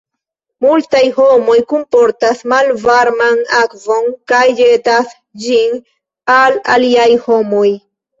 Multaj homoj kunportas malvarman akvon kaj ĵetas ĝin al aliaj homoj.